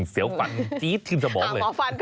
เสียวฟันจี๊ดทิ่มสมองเลย